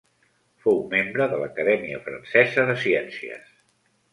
Fou membre de l'Acadèmia Francesa de Ciències.